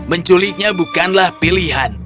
menculiknya bukanlah pilihan